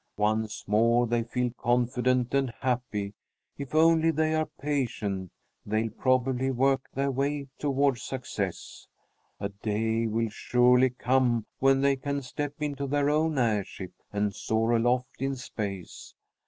Once more they feel confident and happy. If only they are patient, they'll probably work their way toward success. A day will surely come when they can step into their own airship and soar aloft in space.